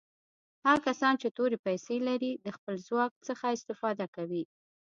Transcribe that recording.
هغه کسان چې تورې پیسي لري د خپل ځواک څخه استفاده کوي.